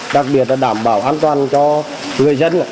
đặc biệt là đảm bảo an toàn cho người dân